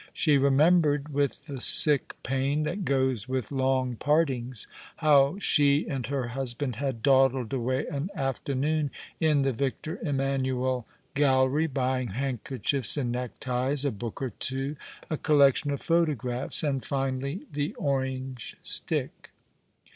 She remembered, with the sick pain that goes with long partings, how she and her husband had dawdled away an afternoon in the Victor Emmanuel Gallery, buying handkerchiefs and neckties, a book or two, a collection of photographs, and finally the orange stick.